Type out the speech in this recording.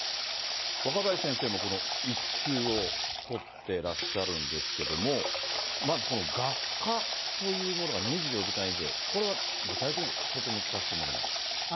若林先生も、この１級を取ってらっしゃるんですけれども、まずこの学科というものが２４時間以上、これは具体的には相当難しいものなんですか。